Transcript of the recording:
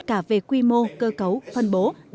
cả về quy mô cơ cấu phân bố